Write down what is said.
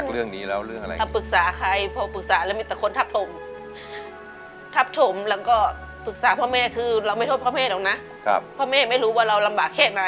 ครั้งหนึ่งค่าย้ายจ่ายประมาณเท่าไหร่ครับ